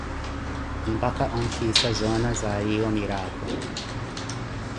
Mpakha onfhiisa zona ziriiwo miraakho.